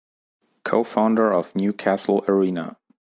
Co-founder of Newcastle Arena.